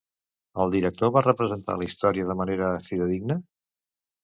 El director va representar la història de manera fidedigna?